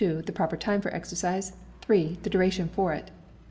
The proper time for exercise, iii. The duration of it.